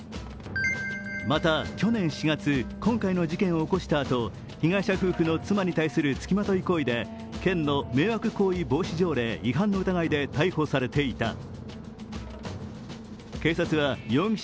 また去年４月、今回の事件を起こしたあと被害者夫婦の妻に対するつきまとい行為で県の迷惑行為防止条例違反の疑いで逮捕されていた。